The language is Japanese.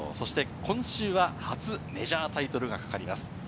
今週は初メジャータイトルがかかります。